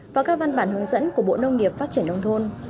và các văn bản hướng dẫn của bộ nông nghiệp phát triển nông thôn